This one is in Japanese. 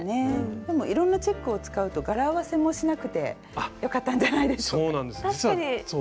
でもいろんなチェックを使うと柄合わせもしなくてよかったんじゃないでしょうか。